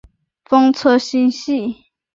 风车星系。